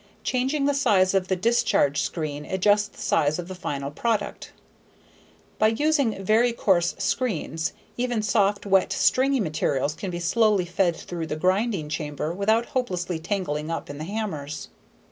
Changing the size of the discharge screen adjusts the size of the final product. By using very coarse screens, even soft, wet, stringy materials can be slowly fed through the grinding chamber without hopelessly tangling up in the hammers.